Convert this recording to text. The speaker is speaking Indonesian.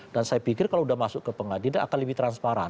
dan saya pikir kalau sudah masuk ke pengadilan akan lebih transparan